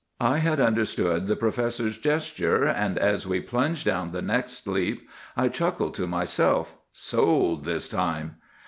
"I had understood the professor's gesture; and, as we plunged down the next leap, I chuckled to myself, 'Sold this time!